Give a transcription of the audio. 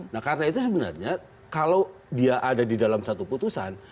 nah karena itu sebenarnya kalau dia ada di dalam satu putusan